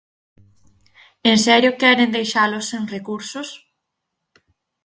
¿En serio queren deixalos sen recursos?